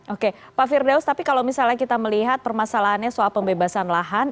oke pak firdaus tapi kalau misalnya kita melihat permasalahannya soal pembebasan lahan